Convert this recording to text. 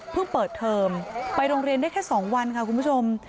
เปิดเทอมไปโรงเรียนได้แค่๒วันค่ะคุณผู้ชม